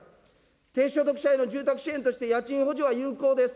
低所得者への住宅支援として、家賃補助は有効です。